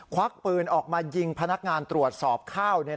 ควักปืนออกมายิงพนักงานตรวจสอบข้าว